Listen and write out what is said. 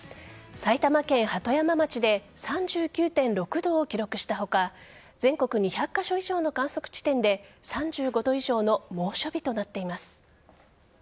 埼玉県鳩山町で３９．６度を記録した他全国２００カ所以上の観測地点で３５度以上の猛暑日となっています。